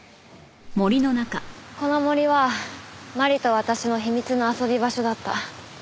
この森は麻里と私の秘密の遊び場所だった。